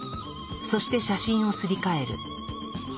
そして写真をすり替える。